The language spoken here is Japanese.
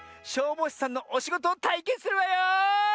消防士さんのおしごとをたいけんするわよ！